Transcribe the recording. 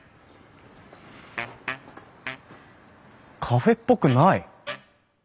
カフェっぽくない！